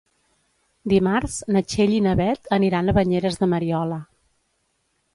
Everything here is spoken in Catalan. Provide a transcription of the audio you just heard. Dimarts na Txell i na Beth aniran a Banyeres de Mariola.